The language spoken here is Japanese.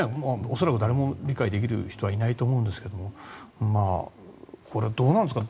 恐らく誰も理解できる人はいないと思うんですけどもこれ、どうなんですか。